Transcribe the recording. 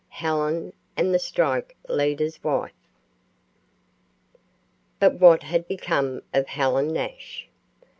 HELEN AND THE STRIKE LEADER'S WIFE. But what had become of Helen Nash?